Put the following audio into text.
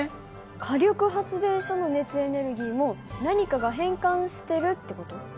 火力発電所の熱エネルギーも何かが変換してるって事？